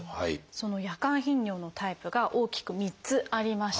その夜間頻尿のタイプが大きく３つありまして